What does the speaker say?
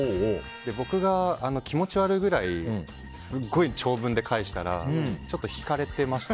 僕が気持ち悪いくらいすごい長文で返したらちょっと引かれてました。